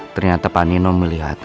ternyata panino melihat